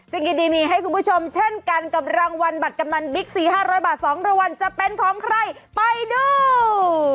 ซึ่งยินดีมีให้คุณผู้ชมเช่นกันกับรางวัลบัตรกำลังบิ๊กสี่ห้าร้อยบาทสองละวันจะเป็นของใครไปดู